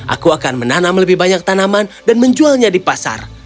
aku akan menanam lebih banyak tanaman dan menjualnya di pasar